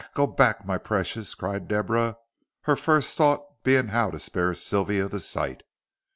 go back, my precious!" cried Deborah, her first thought being how to spare Sylvia the sight.